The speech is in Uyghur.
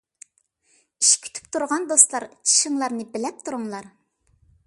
ئىش كۈتۈپ تۇرغان دوستلار، چىشىڭلارنى بىلەپ تۇرۇڭلار.